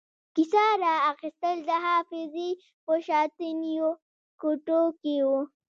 کیسه را اخیستل د حافظې په شاتنیو کوټو کې وو.